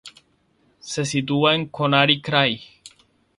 Se sitúa en Conakri.